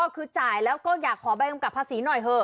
คือจ่ายแล้วก็อยากขอใบกำกับภาษีหน่อยเถอ